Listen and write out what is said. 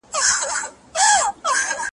له درنو درنوبارو وم تښتېدلی ,